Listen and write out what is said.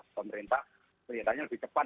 pemerintah kelihatannya lebih cepat